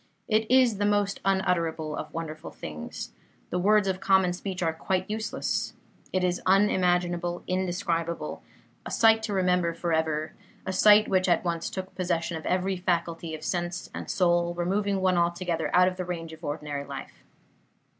It is the most unutterable of wonderful things. The words of common speech are quite useless. It is unimaginable, indescribable; a sight to remember forever; a sight which at once took possession of every faculty of sense and soul, removing one altogether out of the range of ordinary life.